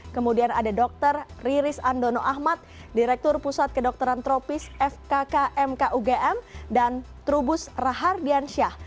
kemudian ada dr riris andono ahmad direktur pusat kedokteran tropis fkk mkugm dan trubus rahardiansyah